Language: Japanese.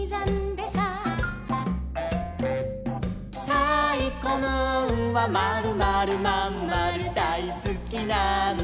「たいこムーンはまるまるまんまるだいすきなんだ」